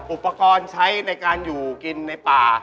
อุปกรณ์ใช้ในการอยู่กินในป่า